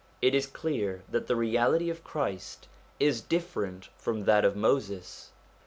It is clear that the reality of Christ is different from that of Moses.